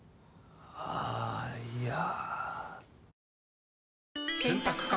あーいや。